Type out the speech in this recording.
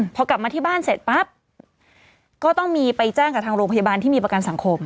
พอกลับมาที่บ้านเสร็จปั๊บก็ต้องมีไปแจ้งกับทางโรงพยาบาลที่มีประกันสังคม